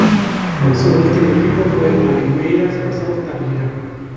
Su último equipo fue el Palmeiras Resort-Tavira.